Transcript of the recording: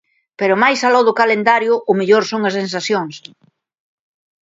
Pero máis aló do calendario o mellor son as sensacións.